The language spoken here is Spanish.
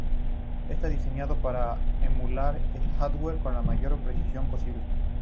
Está diseñado para emular el hardware con la mayor precisión posible.